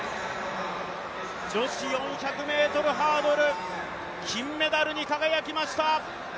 女子４００ｍハードル金メダルに輝きました！